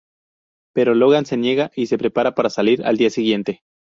Pero Logan se niega y se prepara para salir al día siguiente.